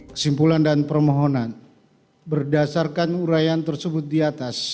kesimpulan dan permohonan berdasarkan urayan tersebut di atas